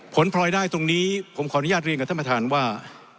พลอยได้ตรงนี้ผมขออนุญาตเรียนกับท่านประธานว่า